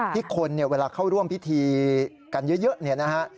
คนเนี่ยเวลาเข้าร่วมพิธีกันเยอะเนี่ยนะฮะ